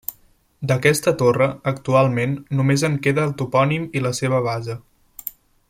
D'aquesta torre, actualment, només en queda el topònim i la seva base.